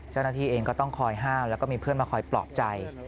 เจ้าหน้าที่เองก็ต้องคอยห้ามแล้วก็มีเพื่อนมาคอยปลอบใจ